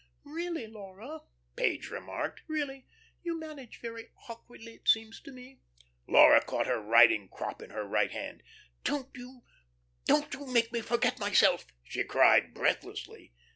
"Really, Laura," Page remarked. "Really, you manage very awkwardly, it seems to me." Laura caught her riding crop in her right hand "Don't you don't you make me forget myself;" she cried, breathlessly.